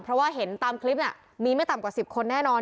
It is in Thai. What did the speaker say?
เพราะว่าเห็นตามคลิปมีไม่ต่ำกว่า๑๐คนแน่นอน